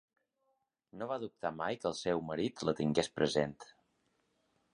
No va dubtar mai que el seu marit la tingués present.